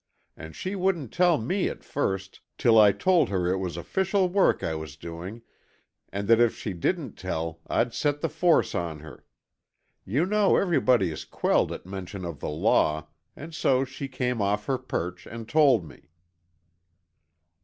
And she wouldn't tell me at first, till I told her it was official work I was doing and that if she didn't tell I'd set the force on her. You know everybody is quelled at mention of the law and so she came off her perch, and told me."